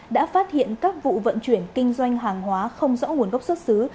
đã phát hiện các vụ vận chuyển kinh doanh hàng hóa không rõ nguồn gốc xuất xứ